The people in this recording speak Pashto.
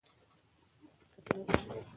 زه د سولي پیغام خپروم.